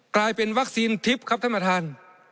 กลายเป็นวัคซีนทิพย์ครับท่านประธาน